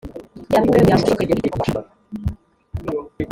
ngengamikorere y umuryango ushingiye ku itegeko